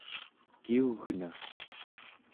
kiu͡gna